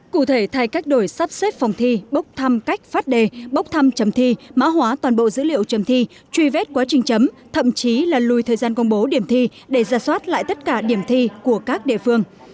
cụ thể thay cách đổi sắp xếp phòng thi bốc thăm cách phát đề bốc thăm chấm thi mã hóa toàn bộ dữ liệu chấm thi truy vết quá trình chấm thậm chí là lùi thời gian công bố điểm thi để ra soát lại tất cả điểm thi của các địa phương